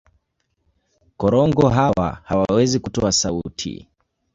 Korongo hawa hawawezi kutoa sauti.